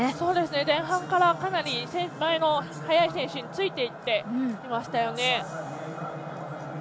前半からかなり前の速い選手についていっていましたよね。